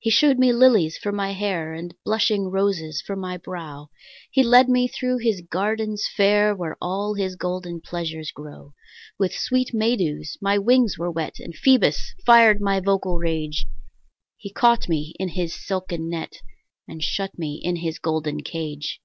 He shew'd me lilies for my hair, And blushing roses for my brow; He led me thro' his gardens fair Where all his golden pleasures grow. With sweet May dews my wings were wet, And Phoebus fired my vocal rage; He caught me in his silken net, And shut me in his golden cage.